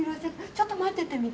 ちょっと待っててみて。